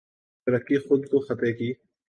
ترکی خود کو خطے کی